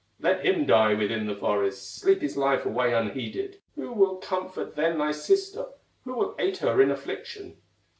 "Let him die within the forest, Sleep his life away unheeded!" "Who will comfort then thy sister, Who will aid her in affliction?"